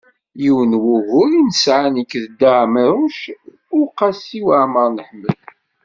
Yiwen wugur i nesɛa nekk d Dda Ɛmiiruc u Qasi Waɛmer n Ḥmed.